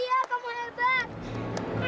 iya kamu hebat ken tante